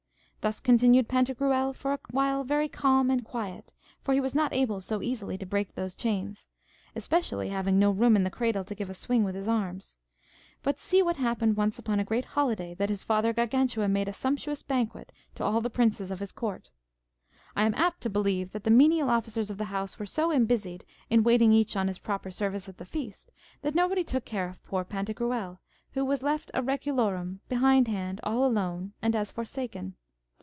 Thus continued Pantagruel for a while very calm and quiet, for he was not able so easily to break those chains, especially having no room in the cradle to give a swing with his arms. But see what happened once upon a great holiday that his father Gargantua made a sumptuous banquet to all the princes of his court. I am apt to believe that the menial officers of the house were so embusied in waiting each on his proper service at the feast, that nobody took care of poor Pantagruel, who was left a reculorum, behindhand, all alone, and as forsaken.